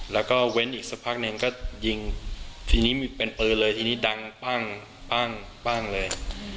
แล้วก็เว้นอีกสักพักนึงก็ยิงทีนี้มีเป็นเปลืองเลยทีนี้ดังปั้งเลย